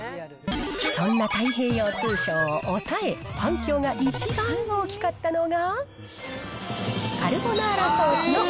そんな太平洋通商を抑え、反響が一番大きかったのが。